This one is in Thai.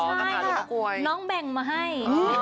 ใช่ค่ะน้องแบ่งมาให้